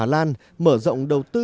nó là một người đàn ông